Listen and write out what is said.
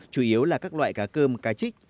chủ yếu là các loại cá cơm cá trích